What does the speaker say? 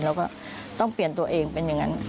เราก็ต้องเปลี่ยนตัวเองเป็นอย่างนั้น